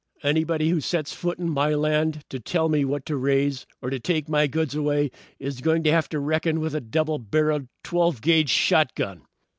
Anybody who sets foot on my land to tell me what to raise or to take my goods away is going to have to reckon with a double barreled, 12 gauge shotgun.